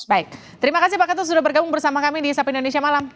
baik terima kasih pak ketut sudah bergabung bersama kami di sapi indonesia malam